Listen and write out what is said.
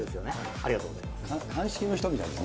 ありがとうございます。